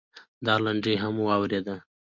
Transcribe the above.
دا لنډۍ هم واورېده.